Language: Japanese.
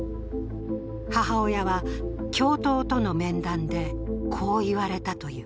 母親は、教頭との面談でこう言われたという。